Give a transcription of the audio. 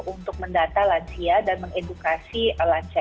untuk mendata lansia dan mengedukasi lansia